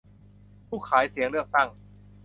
ผู้ขายเสียงเลือกตั้ง